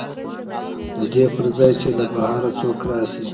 د دې پر ځای چې له بهر څوک راشي